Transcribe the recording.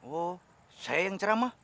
oh saya yang ceramah